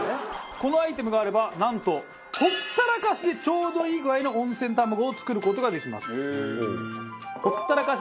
このアイテムがあればなんとほったらかしでちょうどいい具合の温泉たまごを作る事ができます。